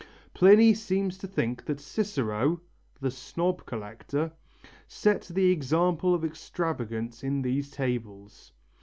Pliny seems to think that Cicero the snob collector set the example of extravagance in these tables.